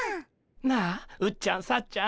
なあうっちゃんさっちゃん